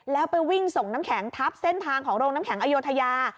แล้วไปวิ่งส่งน้ำแข็งทับเส้นทางของโรงน้ำแข็งอโยธยา